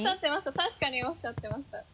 確かにおっしゃってました。